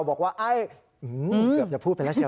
บอกว่าไอ้เกือบจะพูดไปแล้วเชียว